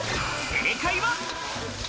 正解は。